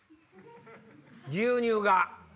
牛乳が。